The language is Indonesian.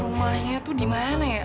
rumahnya tuh di mana ya